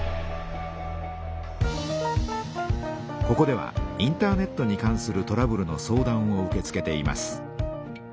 ここではインターネットに関するトラブルの相談を受け付けています。